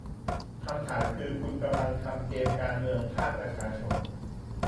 คำถามคือคุณกำลังทำเกมการเมืองภาคประชาชน